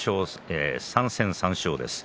３戦３勝です。